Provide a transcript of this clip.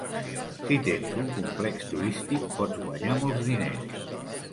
Si tens un complex turístic, pots guanyar molts diners.